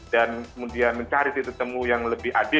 dan kemudian mencari titik ketemu yang lebih adil begitu